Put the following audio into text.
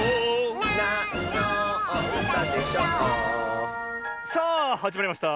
「なんのうたでしょ」さあはじまりました